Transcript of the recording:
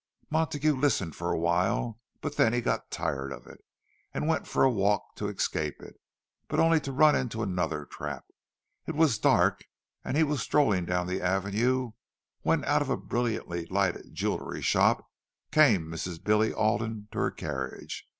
Montague listened for a while, but then he got tired of it, and went for a walk to escape it—but only to run into another trap. It was dark, and he was strolling down the Avenue, when out of a brilliantly lighted jewellery shop came Mrs. Billy Alden to her carriage.